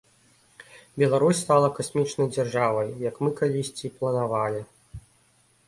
Беларусь стала касмічнай дзяржавай, як мы калісьці і планавалі.